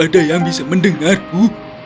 ada yang bisa mendengarku